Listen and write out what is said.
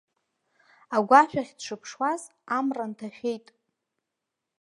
Агәашә ахь дшыԥшуаз, амра нҭашәеит.